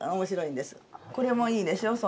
これもいいでしょう？